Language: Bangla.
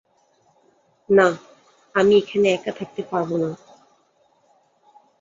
না, আমি এখানে একা থাকতে পারবো না।